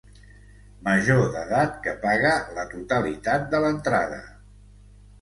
Major d'edat que paga la totalitat de l'entrada.